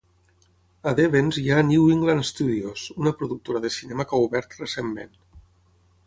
A Devens hi ha New England Studios, una productora de cinema que ha obert recentment.